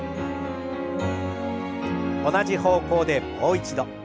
同じ方向でもう一度。